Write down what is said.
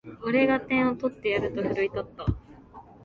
俺が点を取ってやると奮い立った